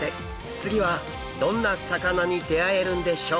次はどんな魚に出会えるんでしょうか？